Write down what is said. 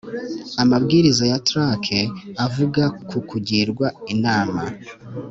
amabwiriza ya trac avuga ko kugirwa inama,